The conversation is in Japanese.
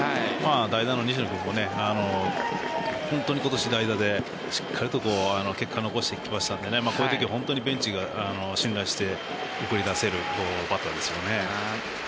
代打の西野君も本当に今年、代打でしっかりと結果を残してきましたのでこういうとき本当にベンチが信頼して送り出せるバッターですよね。